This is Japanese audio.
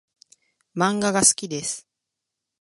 漫画が好きです